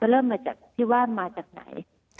เริ่มมาจากที่ว่ามาจากไหน